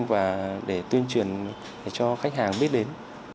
và để tuyên truyền cho khách hàng biết đến